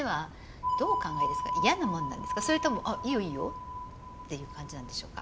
それとも「いいよいいよ！」っていう感じなんでしょうか。